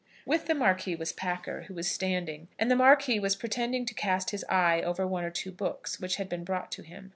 With the Marquis was Packer, who was standing, and the Marquis was pretending to cast his eye over one or two books which had been brought to him.